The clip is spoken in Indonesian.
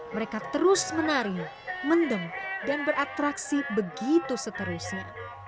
mereka terus menari mendem dan beratraksi begitu seterusnya